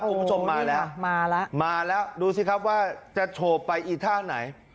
คุณผู้ชมมาแล้วมาแล้วมาแล้วดูสิครับว่าจะโฉบไปอีท่าไหน